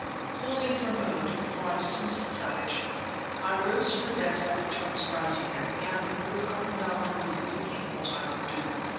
Pausing for a moment before I dismissed Savage, I rose from the desk at which I was writing and began to walk up and down the room thinking what I would do.